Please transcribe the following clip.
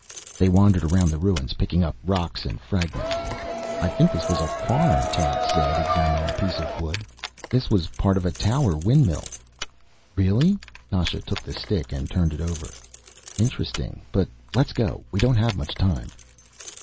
They wandered around the ruins, picking up rocks and fragments. "I think this was a farm," Tance said, examining a piece of wood. "This was part of a tower windmill." "Really?" Nasha took the stick and turned it over. "Interesting. But let's go; we don't have much time."